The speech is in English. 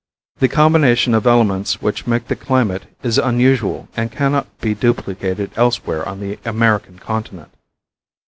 The combination of elements which make the climate is unusual and cannot be duplicated elsewhere upon the American continent.